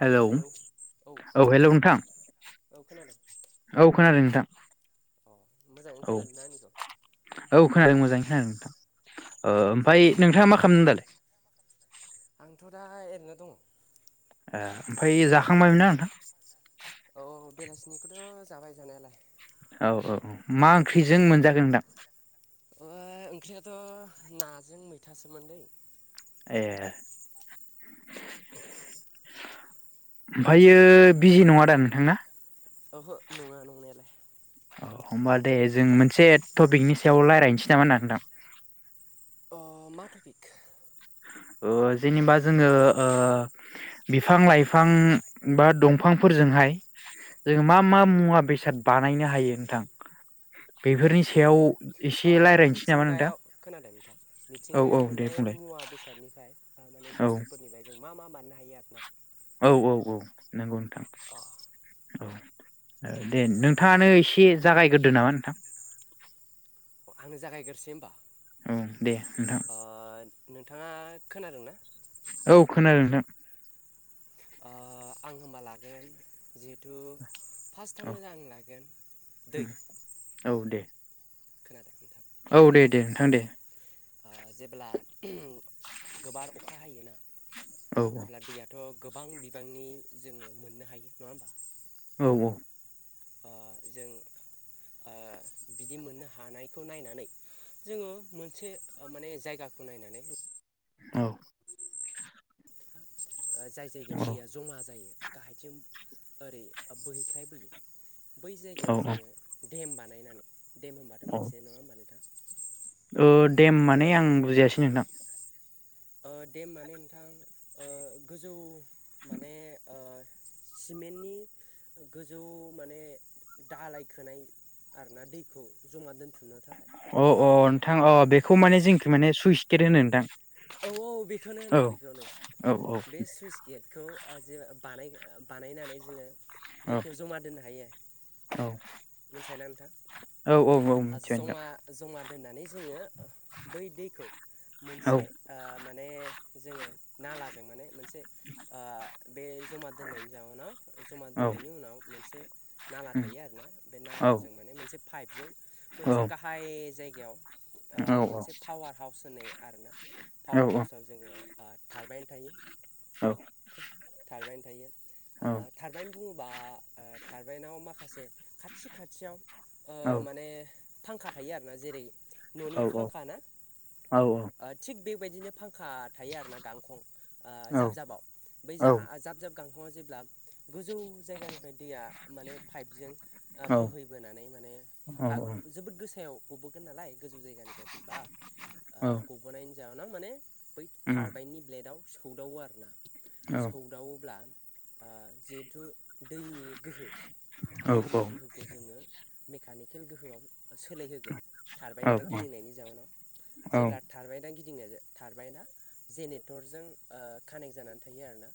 Hello औ hello नोंथां। औ खोनादों औ खोनादों नोंथां। अ मोजाङैनो औ खोनादोंना आंनिखौ औ खोनादों मोजांङै नोंथां ओ आदसा ओमफ्राय नोंथाङा मा खालामदों दालाय? आंथ दा ओरैनो दङ। ओमफ्राय जाखांबायमोना नोंथां। औ बेलासिनिखौथ जाबाय जानायालाय। औ औ उम मा ओंख्रिजों मोनजाखो नोंथां? ओ ओंख्रियाथ' नाजों मैथासोमोनलै। ए ओमफायो बिजि नङा दा नोंथांना? ओहो नङा नंनायालाय। औ होमबा दे जों मोनसे टपिकनि सायाव लायरायनोसै नामा होनना नोंथां अ मा टपिक? अ जेनेबा जोङो ओ बिफां-लाइफां बा दंफांफोर जोंहाय जों मा मा मुवा बेसाद बानायनो हायो नोंथां अ बेफोरनि सायाव माने ओ एसे लायरायनोसै नामा नोंथां? मिथिंगायाव खोनादों नोंथां औ मिथिंगायाव औ दे मोननाय बुं मुवा बेसादनिफाय माने बुस्थुफोरनिफ्राय जों मा मा बानायनो हायो आरो ना औ औ औ नंगौ‌ नोंथां। अ औ दे नोंथाङानो एसे जागायग्रोदो नामा नोंथां? आंनो जागायग्रोसै ओमबा ओं दे नोंथां। नोंथाङा खोनादोंनाा? औ खोनादों नोंथां। ओ आं होमबा लागोन जिहुथु औ फासआवनो आं लागोन दै। औ दे खोनादों नोंथां औ दै दे दे ओ नोंथां दे। जेब्ला ओ गोबार अखा हायोना औ अब्ला दैयाथ' गो गोबां बिबांनि जोङो मोननो हायो नङा होमबा औ औ ओ जों ओ बिदि मोननो हानायखौ नायनानै जोङो मोनसे माने जायगा खौ नायनानै औ ओ जाय जायगायाव दैया जमा जायो गाहायथिजों ओरै बोहैख्लायबोयो बै औ जायगायाव जोङो देम बानायनानै देम होनबाथ' औ मिथियो नङा होमबा नोंथां ओ देम माने आं खोनादों बुजिायासै नोंथां ओ देम माने नोंथां ओ गोजौ माने ओ सिमेन्टनि गोजौ माने दालाय खोनाय आर ना दैखौ जमा दोनथुमनो थाखाय थां अ बेखौ माने जोंखै माने सुइस गेट होनो नोंथां औ औ बेखौनो औ होनदों बेखौनो औ बे सुइस गेटखौ ओ जोङो बानाय बानायनानै जोङो औ दैखौ जमा दोननो हायो औ मिथिया ना नोंथां औ औ औ ओ मिथिबाय नोंथां जमा जमा दोननानै जोङो बै दैखौ औ मोनसे ओ माने जोङो नालाजों माने मोनसे ओ बे जमा दोननायनि जाउन उनाव जमा औ दोननायनि उनाव मोनसे नाला थायो आरोना बे औ नालाजों माने मोनसे पाइपजों मोनसे गाहाय जायगायाव ओ औ मोनसे पावार हाउस होननाय आरोना पावार हाउसाव जोङो ओ खारबायनो थायो टारबायन थायो टारबायाइन बुङोबा टारबाइनाव माखासे खाथि खाथियाव ओ माने फांखा थायो आरोना जेरै ननि फांखा ना ओ‌ थिग बेबायदिनो फां खा थायो आरोना गांखं ओ औ जाब जाबाव बै जा औ जाब जाब गांखंआव जेब्ला गोजौ जायगानिफ्राय दैया माने पाइपजों ओ औ बोहैबोनानै माने [unintelligible] जोबोद गोसो याव गबोगोन नालाय गोजौ जायगानिफ्राय फैबा औ गबोनायनायनि जाहोनाव माने बै उम औ टारबाइननि ब्लेडाव सौदावो आरोना औ सौदावोब्ला ओ जिहेथु दैनि गोहो दैनि गोहोखौ जोङो मेकानिकेल गोहोआव सोलायहोगोन थारबायना गिदिंनायनि जाउनाव जेब्ला थारबायना गि दिंङो थारबायना जेनेरेटरजों ओ कानेक्ट जानानै थायो आरो ना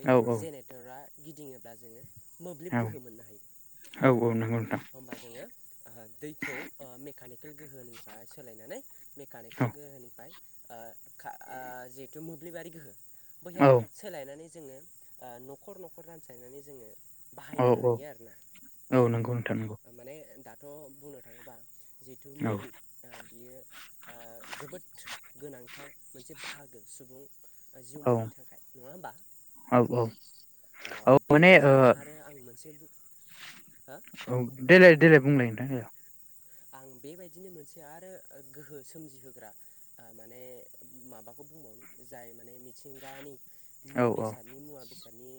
बै जेनेरेटरा गिदिङोब्ला जोङो मोब्लिब औ गोहो मोननो हायो। औ नंगौ नोंथां हमबा जोङो दैखौ मेकानिकेल गोहोनिफ्राय सोलायनानै मेकानिकेल गोहोनिफ्राय आ खा जिहेतु मोब्लिबारि गोहो औ बैहाय सोलायनानै जोङो ओ न'खर न'खर रानस्लायनानै जोङो औ बाहायनो औ हायो आरोना औ नंगौ नोंथां नंगौ। माने दाथ' बुंनो थाङोबा जिहेथु औ मोब्लिब बियो ओ जोबोद गोनांथार मोनसे बाहागो सुबुं औ जिउमानि थाखाय नङा होमबा? औ अ औ माने ओ बेबायदिनो आरो आं मोनसे औ देलाय देलाय बुंलाय नोंथां। आं बेबायदिनो मोनसे आरो गोहो सोमजिहोग्रा माने माबाखौ बुंबावनो जाय माने मिथिंगानि औ बेसादनि मुवा बेसादनि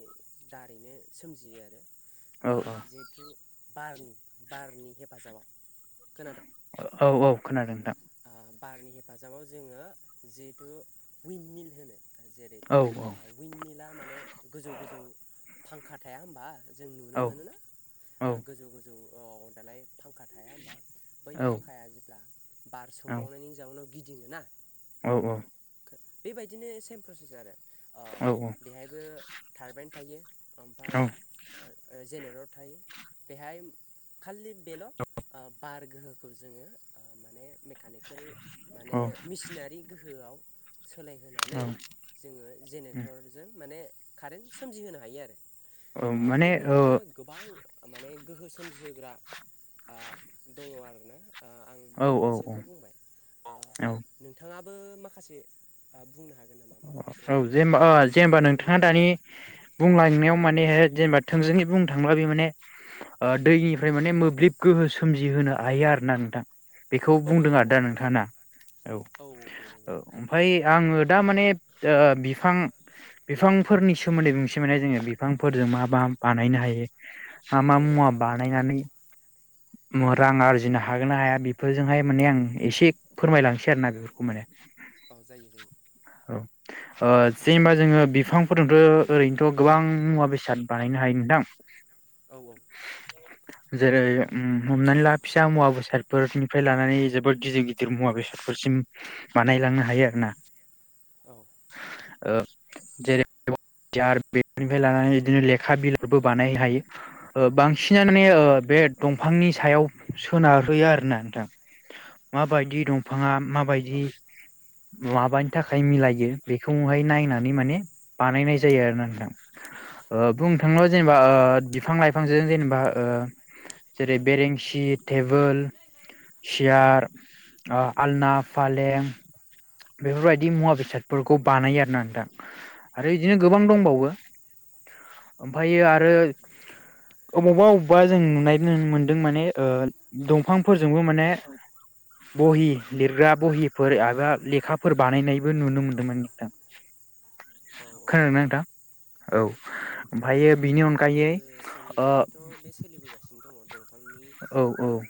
दारैनो सोमजियो आरो औ औ जिहेथु बारनि बारनि हेफाजाबाव खोनादों औ औ खोनादों नोंथां। ओ बारनि हेफाजाबाव जोङो जिहेथु इउन मिल होनो जेरै औ औ उनमिला माने गोजौ गोजौ फांखा थाया होमबा जों नुनो औ मोन ना औ गोजौ गोजौ दालाय फांखा थाया होमबा बै औ फांखाया जेब्ला बार सौदावनायनि जाउनाव गिदिङो ना औ औ बेबायदिनो सेम प्रसेस आरो ओ औ बेहायबो थारबाइन थायो औ ओमफ्राय जेनेरत बेहाय खालि बेल' बार गोहोखौ जोङो माने मेकानिकेल माने औ मेसिनारि गोहोआव सोलायहोनानै जोङो जेनेरेटरजों माने कारेन्ट सोमजिहोनो हायो आरो ओ माने औ बेबायदिनो गोबां माने गोहो सोमजिहोग्रा ओ दङ आरोना आं औ औ मोननैसोखौ बुंबाय औ नोंथाङाबो माखासे बुंनो हागोन नामा माखासे औ जेनबा मुवा जेनेबा बेसादनिफ्राय नोंथाङा जोङो दानि बुंलांनायाव माने जेनेबा थोंजोङै बुंनो थांबा बे माने दैनिफ्राय माने मोब्लिब गोहो सोमजिहोनो हायो आरोना नोंथां बेखौ औ औ बुंदों आरो औ दा नंगौ नोंथाङा नों औ औ ओमफ्राय आङो दा माने ओ बिफां बिफांफोरनि सोमोन्दै बुंसे मोननाय जोङो बिफांफोरजों मा मा बानाय नो हायो मा मा औ औ मुवा जागोन दे जागोन बानायनानै रां आरजिनो हागोन ना हाया बेफोरजोंहाय माने आं एसे फोरमायलांसै आरो ना बेफोरखौ माने अ जायो जायो औ ओ जेनेबा जोङो बिफांफोरजोंथ' ओरैनोथ' गोबां मुवा बेसाद बानायनो हायो नोंथां औ औ जेरै उम हमनानै ला फिसा मुवा बेसादफोरनिफ्राय लानानै जोबोद गिदिर गिदिर मुवा बे फोरसिम बानायलांनो हायो आरो ना औ ओ जेरै [unintelligible] बेफोरनिफ्राय लानानै बिदिनो लेखा बिलाइबो बानायनो हायो बांसिन माने बे औ दंफांनि सायाव सोनारहोयो आरोना नोंथां माबायदि दंफाङा माबायदि माबानि था खाय मिलायो बेखौहाय नायनानै माने बानायनाय जायो आरो ना नोंथां बुंनो था ङोबा जेनेबा बिफां लाइफांजों जेनेबा ओ जेरै बेरेंसि टेबोल सियार आ आलना फालें बेफोरबायद बिदि मुवा बेसादफोरखौ बानायो आरोना नोंथां आरो इदिनो गोबां औ दंबावो। ओमफायो आरो अबावबा अबावबा जों नुनायजों मोनदों माने ओ दंफांफोरजोंबो माने बहि लिरग्रा बहिफोर आरा लेखाफोर बानायनायबो नुनो मोन्दोंमोन नोंथां। औ खोनादोंना नोंथां? औ। औ खोनादों ओमफ्रायो नोंथां। बिनि अनगायै गोदो ओ समनिफायनोथ' बे सोलिबोगासिनो दङ दंफांनि औ औ।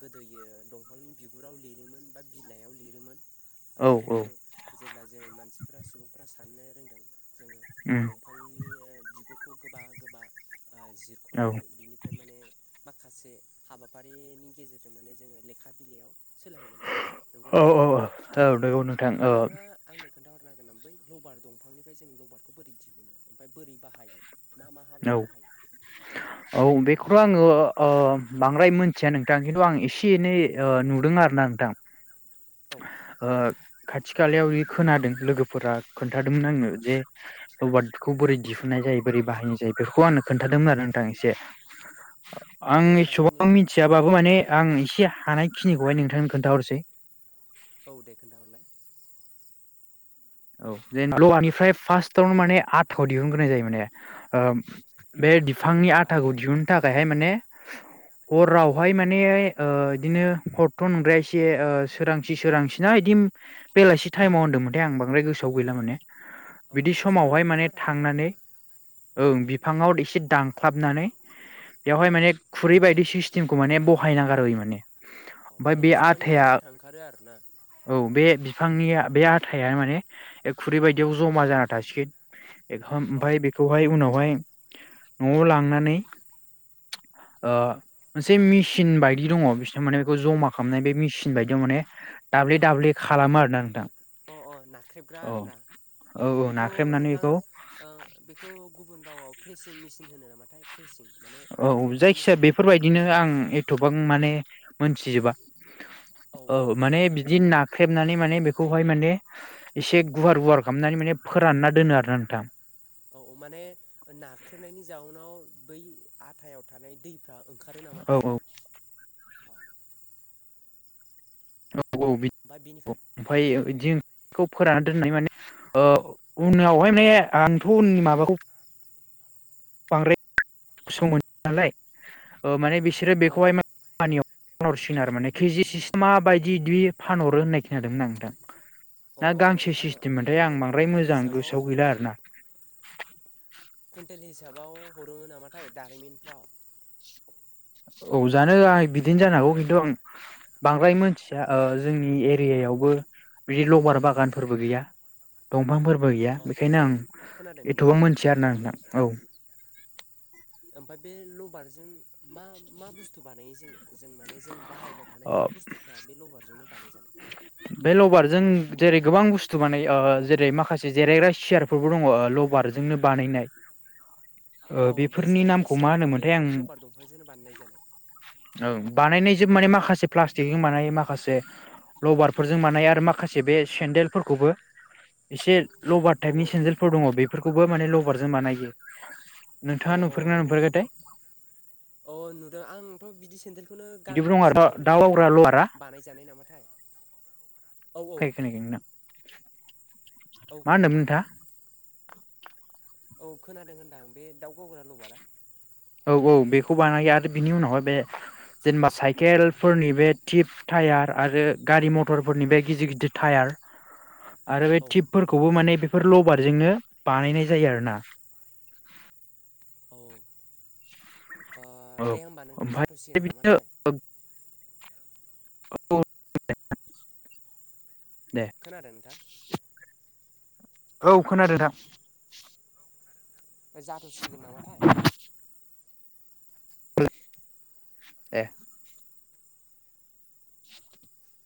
गोदोयो दंफांनि बिगुराव लिरोमोन बा बिलायाव लिरोमोन। औ खिन्थु औ जेब्ला जोङो मानसिफ्रा सुबुंफ्रा साननो रोंदों उम दंफांनि ओ बिगुरखौ गोबा गोबा औ जिरख'नानै बिनिफ्राय माने माखासे हाबाफारिनि गेजेरजों माने जोङो लेखा बिलायाव औ औ औ। नंगौ ओ नोंथां औ नोंथाङा आंनो खोन्थाहरनो हागोन नामा? बै लबार दंफांनिफाय जों लबारखौ बोरै दिहुनो ओमफाय बोरै बाहायो? मा मा हाबायाव औ बाहायो औ बे खौथ' आङो अ बांद्राय मोनथिया नोंथां खिन्थु आं एसे एनै ओ नुदों आरो ना नोंथां। औ ओ खाथि खालायाव बि खोनादों लोगोफोरा खोन्थादोंमोन आंनो जे लबादखौ बोरै दिहुननाय जायो बोरै बाहायनाय जायो। जायो बेखौ आंनो औ खोन्थादोंमोन आरो नोंथां एसे औ ओ आं बोरै बानायनाय एसेबां जायो मिथियाबाबो माने आं एसे हानायखिनिखौहाय नोंथांनो खोन्थाहरसै। औ दे खोन्थाहरलाय। औ [unintelligible] फार्स्टावनो माने आटाव दिहुनग्रोनाय जायो माने ओम बे औ औ बिफांनि आथाखौ दिहुनो थाखायहाय माने हरावहाय माने ओ इदिनो हरथ' नंद्राया एसे ओ सोरांसि सोरांसिना बिदि उम बेलासि टाइमाव होनदोंमोनथाय आं बांद्राय गोसोआव गैला माने अ बिदि समावहाय बिफांनिफ्रायनो माने आथा ओंखारो थांनानै नामा ओं बिफाङाव एसे दानख्लाबनानै बेवहाय अ माने खुरै बायदि सिस्टेमखौ माने बहायना गारबोयो माने। औ ओमफाय माने बे आथाया बिफांनिफ्रायनो आथा ओंखारो आरोना औ बे बिफांनिया बे आथाया माने ए खुरै बायदियाव जमा जाना थासिगोन। एखाम औ ओमफाय बेखौहाय उनावहाय न'आव लांनानै ओ मोनसे मेचिन बायदि दङ बिसिना माने बेखौ जमा खालामनायनै मेसिन बायदियाव माने दाब्ले दाब्ले खालामो आरोना नोंथां। अ अ नाख ख्रेबग्रा औ आरोना औ औ बेखौ नाख्रेबनानै नोंथां बेखौ ओ बेखौ गुबुन रावाव फ्रेसिं मिसिन होनो नामाथाय फ्रेसिं औ जायखिजाया बेफोरबायदिनो आं एथबां माने मोनथिजोबा। औ औ माने ओमफाय ओमफाय बिदि नाख्रेबनानै माने बेखौ बहाय माने एसे गुवार गुवार खालामनानै माने फोरानना दोनो आरोना नोंथां। औ औ माने नाख्रेबनायनि जाउनाव बै आथायाव थानाय दैफ्रा ओंखारो औ नामाथाय। औ ओमफाय बिद औ बेनिफ्राय ओमफायो बिदि खौ फोराननानै दोननाय माने ओ उनावहाय ने आंथ उननि माबाखौ बांद्राय सम मो नो नालाय ओ माने बिसोरो औ बेखौहाय मा नियाव फानहरसिगोन आरो माने के जि सि मा बायदि दि फानहरो होननाय खोनादोंमोन आं नोंथां। अ ना अ ओ गांसे सिस्टेममोनथाय आं कुइन्टेल बांद्राय कुइन्टेल मोजां हिसाबाव गोसोआव गैला आरो ना। हरो नामाथाय दारिमिनफ्राव औ जानो आं बिदिनो जानो हागौ ओमफाय खिन्थु आं बांद्राय मोनथिया जोंनि एरियायावबो बे लबार बागानफोरबो गैया। दंफांफोर गैया अ बेखायनो ओमफाय आं खोनादों नोंथां एथबां मोनथिया आरोना नोंथां औ। ओमफ्राय बे लबारजों मा मा बुस्थु बानायो जोङो जों माने जों। बाहायबाय थानाय औ मा बुस्थुफ्रा बे लबारजोंनो बानाय जानाय। बे लबारजों जेरै गोबां बुस्थु माने ओ जेरै माखासे जिरायग्रा सियारफोरबो दङ लबार लबारजोंनो बानायनाय ओ अ बे बेफोरनि जिरायग्रा नामखौ मा सियारा होमबा बे होनोमोनथाय लबार दंफांजोंनो बानायजोब औ बानायनायजोब माने माखासे प्लास्टिकजों बानाय माखासे लबारफोरजों बानायो आरो माखासे बे सेन्देलफोरखौबो एसे लबार औ टाइपनि औ सेेनदेलफोर दङ बे बेफोरखौबो माने लबारजों बानायो अ नोंथाङा अ नुफेरगोना नुफेराखैथाय? अ नुदों आंथ बिदि सेन्देलखौनो गानगासिनो आरो दं दै दाउ गावग्रा बेबो लबारा बानायजानाय नामाथाय। औ औ खै खोनायाखै नोंना औ मा होन्दोंमोन खोनादों नोंथांआ औ खोनादों होनदां बे दाउ गावग्रा लबारा अ बेखौ बानायो आरो बिनि उनावहाय बे जेनेबा साइकेलफोरनि बे थिप टायार आरो गारि मथरफोरनि बे गिदिर गिदिर टायार [inaudible] आरो बे औ टिपफोरखौबो माने बेफोर लबारजोंनो बानायनाय जायो आरोना। औ ओ औ दे होमबा नोंथां ओमफ्राय जाथसिगोन बिदिनो नामाथाय। औ [unintelligible] खोनादों नोंथां? औ खोनादों नोंथां। जाथसिगोन नामाथाय [unintelligible] ए [inaudible]